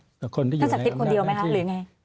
ท่านศิลป์คนเดียวไหมครับหรืออย่างไร